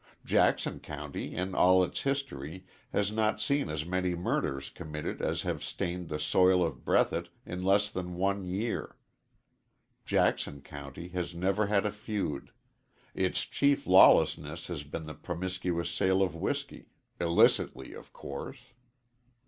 Jackson County in all its history has not seen as many murders committed as have stained the soil of Breathitt in less than one year. Jackson County has never had a feud; its chief lawlessness has been the promiscuous sale of whiskey, illicitly, of course.